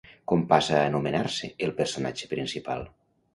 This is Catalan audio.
Com passa a anomenar-se el personatge principal?